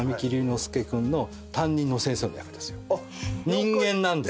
人間なんだ。